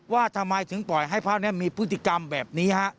ว่าทำไมถึงปล่อยให้พระนี้มีพฤติกรรมแบบนี้ฮะ